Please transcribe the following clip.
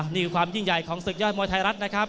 นี่ความยิ่งใหญ่ของศึกยอดมวยไทยรัฐนะครับ